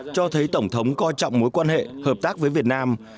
cho thấy tổng thống coi trọng mối quan hệ hợp tác với việt nam